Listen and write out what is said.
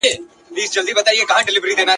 چي ناڅاپه زرکي جګه کړله غاړه !.